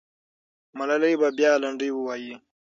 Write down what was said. ملالۍ به بیا لنډۍ ووایي.